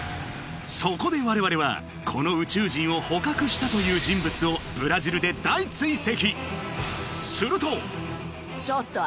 そこで我々はこの宇宙人を捕獲したという人物をブラジルで大追跡！